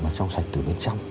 mà trong sạch từ bên trong